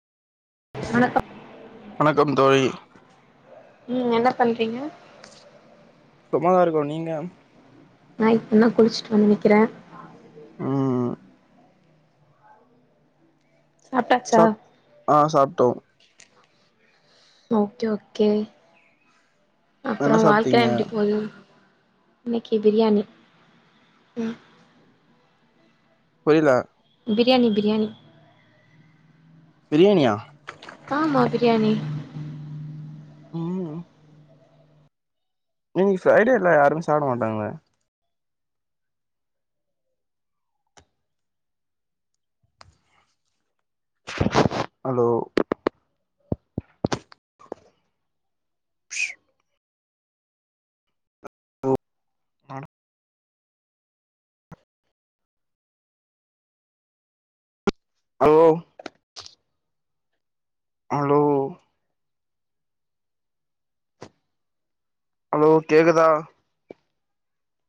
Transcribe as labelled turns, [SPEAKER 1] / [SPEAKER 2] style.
[SPEAKER 1] வணக்கம்
[SPEAKER 2] வணக்கம் தோழி
[SPEAKER 1] உம் என்ன பண்றீங்க
[SPEAKER 2] சும்ம தா ருக்கொ நீங்க
[SPEAKER 1] நா இப்பதா குளுச்சுட்டு வந்து நிக்கிறே
[SPEAKER 2] ம்
[SPEAKER 1] சாப்டாச்சா
[SPEAKER 2] சாப் ஆ சாப்ட்டோ
[SPEAKER 1] ஓகே ஓகே
[SPEAKER 2] என்ன
[SPEAKER 1] அப்புற வாழ்க்க
[SPEAKER 2] சாப்ட்டீங்க
[SPEAKER 1] எப்டி போது இன்னிக்கி பிரியாணி ம்
[SPEAKER 2] புரில்ல
[SPEAKER 1] பிரியாணி பிரியாணி
[SPEAKER 2] பிரியாணியா
[SPEAKER 1] ஆமா பிரியாணி
[SPEAKER 2] ஹூம் ம் இன்னக்கி ஃப்ரைடே இல்ல யாரும் சாப்ட மாட்டாங்ளோ ஹலோ அ ஓ மாடம் ஹலோ ஆ லோ ஹலோ கேக்குதா